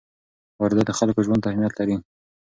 واردات د خلکو ژوند ته اهمیت لري.